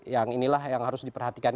yang inilah yang harus diperhatikan